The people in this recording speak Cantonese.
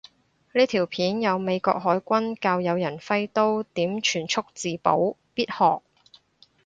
呢條片有美國海軍教有人揮刀點全速自保，必學